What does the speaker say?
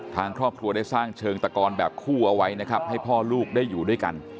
ทางครอบครัวได้สร้างเชิงตะกอนแบบคู่เอาไว้นะครับให้พ่อลูกได้อยู่ด้วยกัน